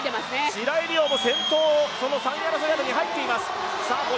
白井璃緒も先頭３位争いの中に入っています。